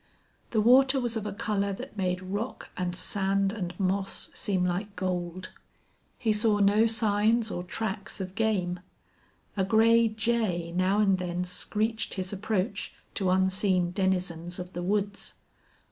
The water was of a color that made rock and sand and moss seem like gold. He saw no signs or tracks of game. A gray jay now and then screeched his approach to unseen denizens of the woods.